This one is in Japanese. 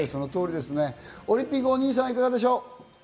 オリンピックお兄さん、いかがでしょう？